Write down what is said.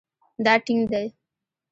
دا ټینګ دی